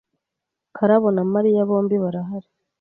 Karabo na Mariya bombi barahari.